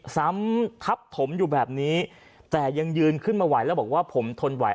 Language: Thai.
ซ้ำทับถมอยู่แบบนี้แต่ยังยืนขึ้นมาไหวแล้วบอกว่าผมทนไหว